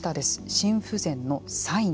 心不全のサイン。